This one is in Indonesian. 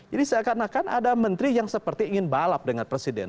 jadi seakan akan ada menteri yang seperti ingin balap dengan presiden